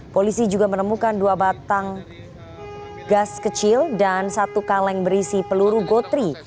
polisi juga menemukan dua batang gas kecil dan satu kaleng berisi peluru gotri